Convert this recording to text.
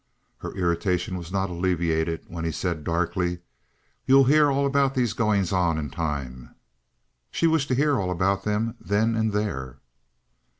Her irritation was not alleviated when he said darkly: "You'll 'ear all about these goings on in time." She wished to hear all about them then and there.